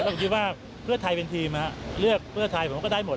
ผมคิดว่าเพื่อไทยเป็นทีมเลือกเพื่อไทยผมก็ได้หมด